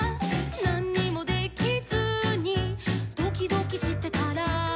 「なんにもできずにドキドキしてたら」